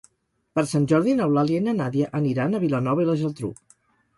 Per Sant Jordi n'Eulàlia i na Nàdia aniran a Vilanova i la Geltrú.